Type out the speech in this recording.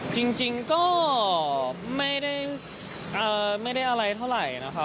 จริงก็ไม่ได้อะไรเท่าไหร่นะคะ